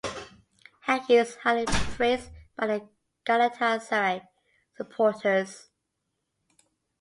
Hagi is highly praised by the Galatasaray supporters.